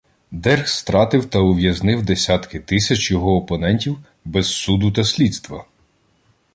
Дерг стратив та ув'язнив десятки тисяч його опонентів без суду та слідства.